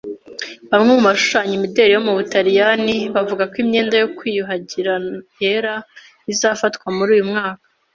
Bamwe mu bashushanya imideli yo mu Butaliyani bavuga ko imyenda yo kwiyuhagira yera izafatwa muri uyu mwaka.